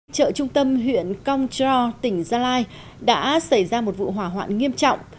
trợ trung tâm huyện kongcho tỉnh gia lai đã xảy ra một vụ hỏa hoạn nghiêm trọng